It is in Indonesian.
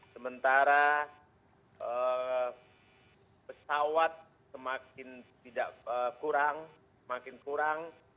sementara pesawat semakin kurang